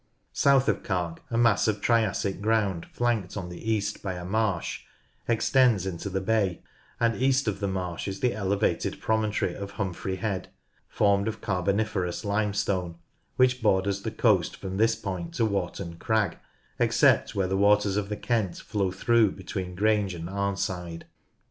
South of Cark, a mass of Triassic ground flanked on the east by a marsh extends into the bay, and east of the marsh is the elevated promontory of Humphrey Head, formed of Carboniferous Limestone, which borders the coast from this point to Warton Crag, except where the waters of the Kent flow through between Grange and Arnside.